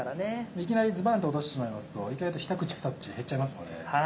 いきなりズバンと落としてしまいますと意外とひとくちふたくち減っちゃいますので。